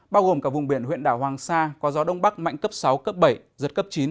bao gồm cả vùng biển huyện đảo hoàng sa có gió đông bắc mạnh cấp sáu cấp bảy giật cấp chín